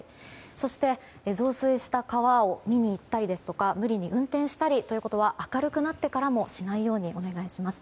そして増水した川を見に行ったり無理に運転したりというのは明るくなってからもしないようにお願いします。